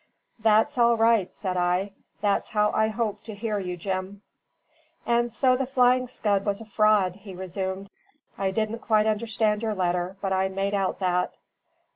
"That's all right," said I. "That's how I hoped to hear you, Jim." "And so the Flying Scud was a fraud," he resumed. "I didn't quite understand your letter, but I made out that."